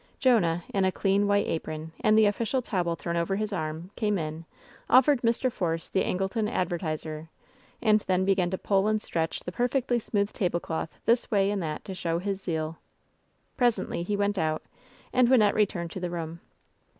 Jonahy in a clean white apron, and the oflScial towel thrown over his arm, came in, offered Mr. Force the Angleton Advertiser^ and then began to pull and stretch the perfectly smooth tablecloth this way and that to show his zeal. Presently he went out, and Wynnette returned to the room.